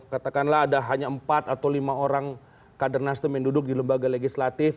katakanlah ada hanya empat atau lima orang kader nasdem yang duduk di lembaga legislatif